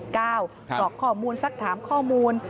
กรอกข้อมูลสักถามข้อมูล